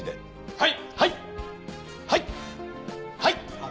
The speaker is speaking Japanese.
はい。